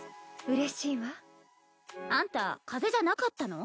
うれしいわ。あんた風邪じゃなかったの？